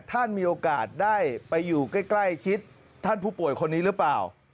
ท่านมีโอกาสได้ไปอยู่ใกล้ชิดท่านผู้ป่วยคนนี้หรือเปล่า